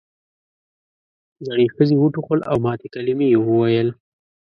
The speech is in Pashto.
زړې ښځې وټوخل او ماتې کلمې یې وویل.